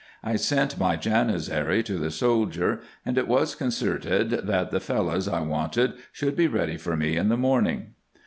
I sent my Janizary to the soldier, and it was concerted, that the Fellahs I wanted should be ready for me in the morning.